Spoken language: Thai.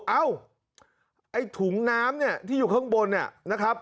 เอ้าไอ้ถุงน้ำที่อยู่ข้างบน